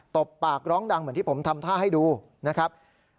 บปากร้องดังเหมือนที่ผมทำท่าให้ดูนะครับ